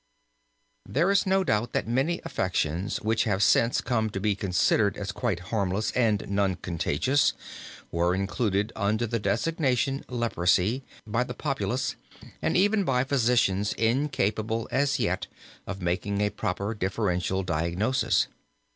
There is no doubt that many affections which have since come to be considered as quite harmless and non contagious, were included under the designation leprosy by the populace and even by physicians incapable as yet of making a proper differential diagnosis.